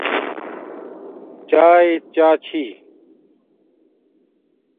چاݵے چاچھی